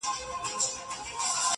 خو د درد اصل حل نه مومي او پاتې,